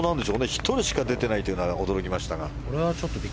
１人しか出ていないというのは驚きました。